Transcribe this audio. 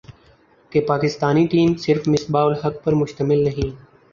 کہ پاکستانی ٹیم صرف مصباح الحق پر مشتمل نہیں